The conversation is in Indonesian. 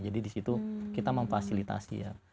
jadi disitu kita memfasilitasi ya